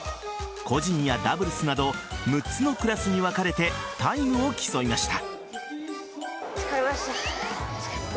個人やダブルスなど６つのクラスに分かれてタイムを競いました。